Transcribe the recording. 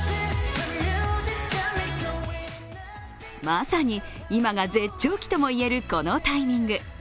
まさに今が絶頂期とも言えるこのタイミング。